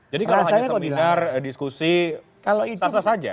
jadi kalau hanya seminar diskusi sasa saja